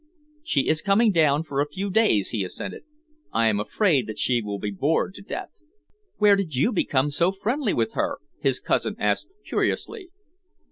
"She is coming down for a few days," he assented. "I am afraid that she will be bored to death." "Where did you become so friendly with her?" his cousin asked curiously.